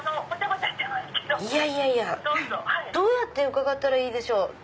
どうやって伺ったらいいでしょう？